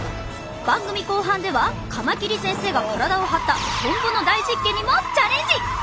番組後半ではカマキリ先生が体を張ったトンボの大実験にもチャレンジ！